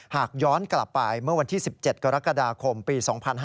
หากย้อนกลับไปเมื่อวันที่๑๗กรกฎาคมปี๒๕๕๙